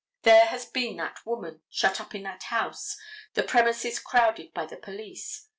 There has been that woman shut up in that house, the premises crowded by the police.